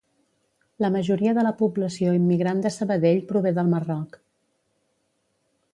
La majoria de la població immigrant de Sabadell prové del Marroc.